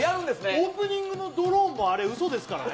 オープニングのドローンもあれうそですからね。